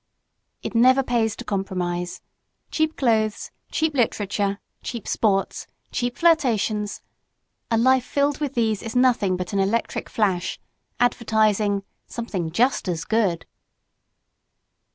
It never pays to compromise! Cheap clothes, cheap literature, cheap sports, cheap flirtations a life filled with these is nothing but an electric flash, advertising "something just as good."